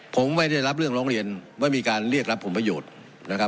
ผมไม่ได้รับเรื่องร้องเรียนไม่มีการเรียกรับผลประโยชน์นะครับ